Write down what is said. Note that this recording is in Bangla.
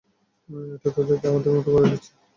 এটা তাদেরকে আমাদের মতো করে দিচ্ছে।